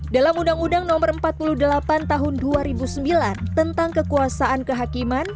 dalam undang undang no empat puluh delapan tahun dua ribu sembilan tentang kekuasaan kehakiman